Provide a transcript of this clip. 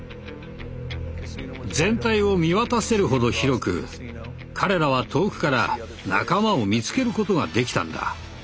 全体を見渡せるほど広く彼らは遠くから仲間を見つけることができたんだ。